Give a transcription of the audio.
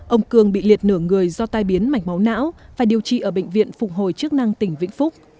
ông cương bị liệt nửa người do tai biến mạch máu não phải điều trị ở bệnh viện phục hồi chức năng tỉnh vĩnh phúc